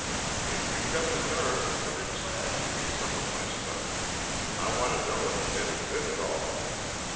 "If you've got the nerve, come inside and read some of my stuff; I want to know if it's any good at all."